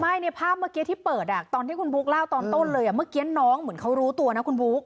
ในภาพเมื่อกี้ที่เปิดตอนที่คุณบุ๊คเล่าตอนต้นเลยเมื่อกี้น้องเหมือนเขารู้ตัวนะคุณบุ๊ค